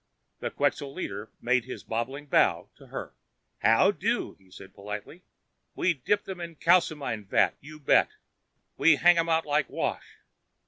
The Quxa leader made his bobbing bow to her. "How do," he said politely. "We dip them in calcimine vat, you bet. We hang them out like wash.